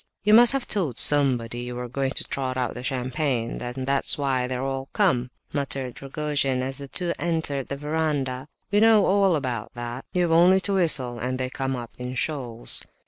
"You must have told somebody you were going to trot out the champagne, and that's why they are all come!" muttered Rogojin, as the two entered the verandah. "We know all about that! You've only to whistle and they come up in shoals!"